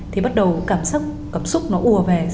thì bắt đầu cảm xúc nó ùa về